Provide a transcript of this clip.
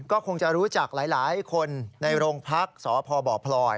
ก็คงจะรู้จักหลายคนในโรงพักสพบพลอย